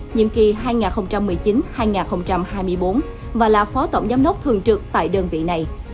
nhiệm kỳ hai nghìn một mươi chín hai nghìn hai mươi bốn và là phó tổng giám đốc thường trực tại đơn vị này